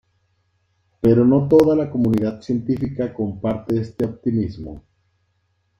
Pero no toda la comunidad científica comparte este optimismo.